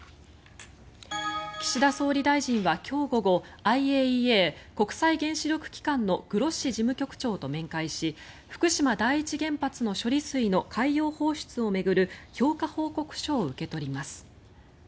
岸田総理大臣は今日午後ＩＡＥＡ・国際原子力機関のグロッシ事務局長と面会し福島第一原発の処理水の海洋放出を巡る評価報告書を受け取ります。